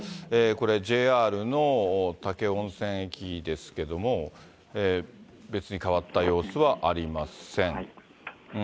これ、ＪＲの武雄温泉駅ですけれども、別に変わった様子はありません。